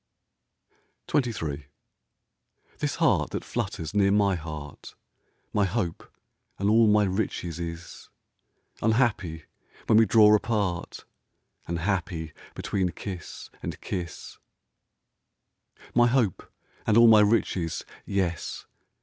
XXIII This heart that flutters near my heart My hope and all my riches is, Unhappy when we draw apart And happy between kiss and kiss ; My hope and all my riches — yes